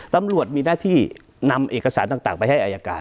ตำรวจมีหน้าที่นำเอกสารต่างไปให้อายการ